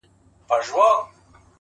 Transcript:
علم د انسان د ذهن ځواک دی,